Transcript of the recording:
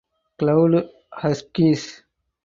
Cloud Huskies.